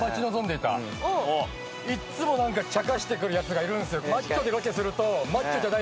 いっつも何かちゃかして来るヤツがいるんですよ。